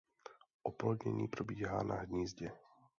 Oplodnění probíhá na hnízdě.